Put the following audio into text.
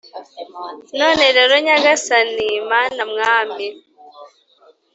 none rero nyagasani, mana, mwami,